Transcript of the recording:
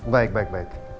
baik baik baik